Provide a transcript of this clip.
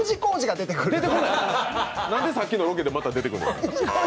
出てこない、なんでさっきのロケでまた出てくるの？